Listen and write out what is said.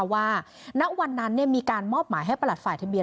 ว่าณวันนั้นมีการมอบหมายให้ประหลัดฝ่ายทะเบีย